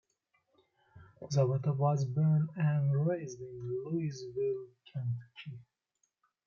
Zapata was born and raised in Louisville, Kentucky.